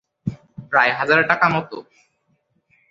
প্রায় হাজার টাকা মতো।